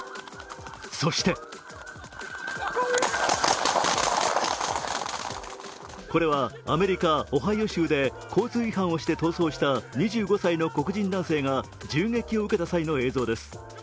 そしてこれはアメリカ・オハイオ州で交通違反をして逃走した２５歳の黒人男性が銃撃を受けた際の映像です。